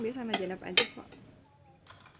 biar sama jenap aja kok